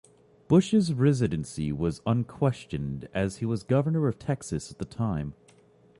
Bush's residency was unquestioned, as he was Governor of Texas at the time.